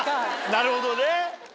なるほどね。